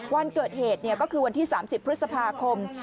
วันเกิดเหตุก็คือวันที่๓๐พฤษภาคม